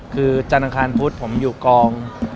คือจันทร์อังคารพุธผมอยู่กอง